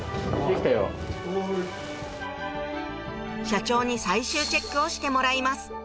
社長に最終チェックをしてもらいます